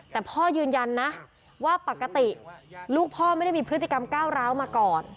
แต่พ่อยืนยันนะว่าปกติลูกพ่อไม่ได้มีพฤติกรรมก้าวร้าวมาก่อน